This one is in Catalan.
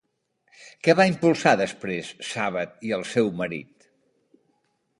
Què van impulsar després Sàbat i el seu marit?